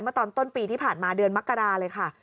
ตอนต้นปีที่ผ่านมาเดือนมกราเลยค่ะ